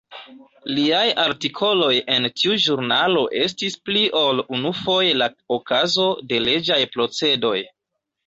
Liaj artikoloj en tiu ĵurnalo estis pli ol unufoje la okazo de leĝaj procedoj.